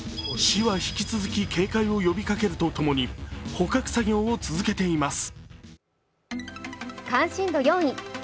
市は引き続き警戒を呼びかけるとともに捕獲作業を続けています。